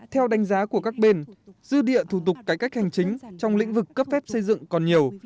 theo đánh giá của các bên dư địa thủ tục cải cách hành chính trong lĩnh vực cấp phép xây dựng còn nhiều